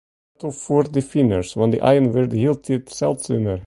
Pet ôf foar de finers, want dy aaien wurde hieltyd seldsumer.